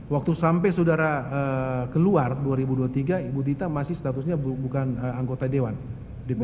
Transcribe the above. waktu sampai saudara keluar dua ribu dua puluh tiga ibu dita masih statusnya bukan anggota dewan